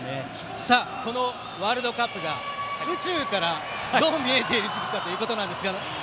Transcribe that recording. このワールドカップが宇宙からどう見えているかですが。